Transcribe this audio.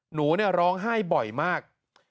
หนูร้องไห้บ่อยมาก